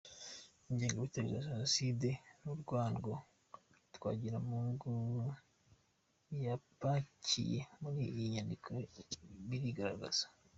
Ingengabitekerezo ya jenoside n’urwango Twagiramungu yapakiye muri iyi nyandiko birigaragaza.